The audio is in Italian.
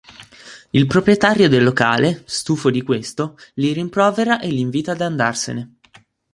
Il proprietario del locale, stufo di questo, li rimprovera e li invita ad andarsene.